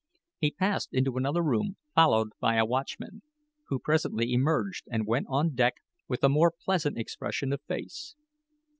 He passed into another room, followed by a watchman, who presently emerged and went on deck with a more pleasant expression of face.